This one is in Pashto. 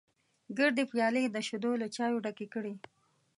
ګردې پيالې یې د شیدو له چایو ډکې کړې.